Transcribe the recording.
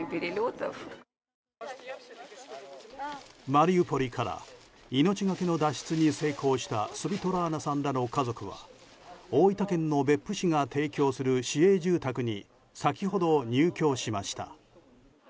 マリウポリから命がけの脱出に成功したスヴィトラーナさんらの家族は大分県の別府市が提供する市営住宅に先ほど入居しました。